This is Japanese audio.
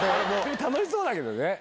楽しそうだけどね。